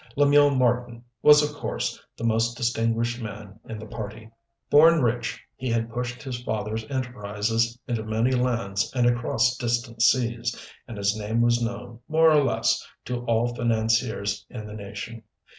Lemuel Marten was of course the most distinguished man in the party. Born rich, he had pushed his father's enterprises into many lands and across distant seas, and his name was known, more or less, to all financiers in the nation.